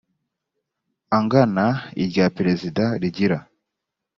angana irya perezida rigira